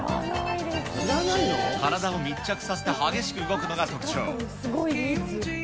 体を密着させて激しく動くのが特徴。